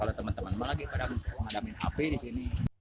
kalau teman teman mau lagi pada mengadami api di sini